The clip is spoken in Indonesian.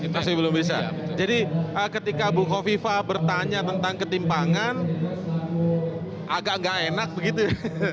masih belum bisa jadi ketika bu kofifa bertanya tentang ketimpangan agak nggak enak begitu ya